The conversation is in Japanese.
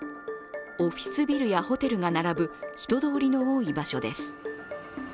オフィスビルやホテルが並ぶ人通りの多い場所です。